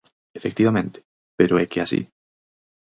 Efectivamente, pero é que así.